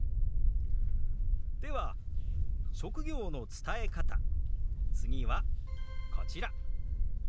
では職業の伝え方次はこちら。